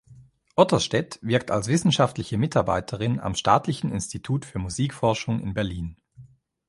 Otterstedt wirkt als Wissenschaftliche Mitarbeiterin am Staatlichen Institut für Musikforschung in Berlin.